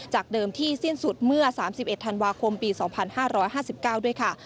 เดิมที่สิ้นสุดเมื่อ๓๑ธันวาคมปี๒๕๕๙ด้วยค่ะ